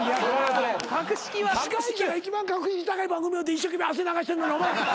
司会者が一番格式高い番組一生懸命汗流してんのに。